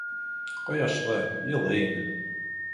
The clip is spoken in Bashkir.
Ҡояшлы, йылы ине.